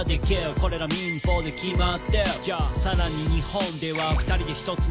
「これら民法で決まってる」「ＹＯさらに日本では２人で１つの戸籍に入って」